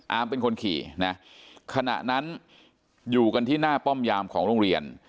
เป็นคนขี่นะขณะนั้นอยู่กันที่หน้าป้อมยามของโรงเรียน